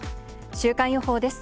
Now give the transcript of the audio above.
週間予報です。